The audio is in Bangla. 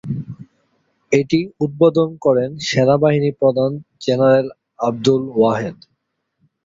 এটি উদ্বোধন করেন সেনাবাহিনী প্রধান জেনারেল আবদুল ওয়াহেদ।